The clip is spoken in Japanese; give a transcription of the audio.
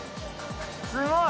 すごい！